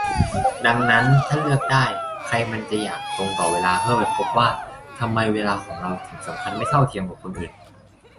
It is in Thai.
ดังนั้น ถ้าเลือกได้ ใครมันจะอยากตรงต่อเวลาเพื่อไปพบว่า ทำไมเวลาของเราถึงสำคัญไม่เท่าเทียมกับคนอื่น